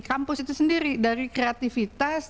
kampus itu sendiri dari kreativitas